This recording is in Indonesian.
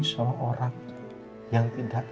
sama orang yang tidak